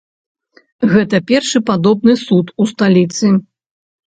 Гэта першы падобны суд у сталіцы.